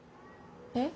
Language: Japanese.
えっ？